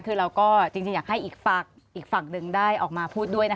คือเราก็จริงจริงอยากให้อีกฝากอีกฝากหนึ่งได้ออกมาพูดด้วยนะคะ